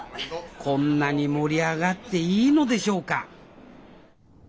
こんなに盛り上がっていいのでしょうか？